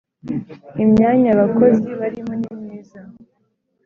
imyanya abakozi barimo nimyiza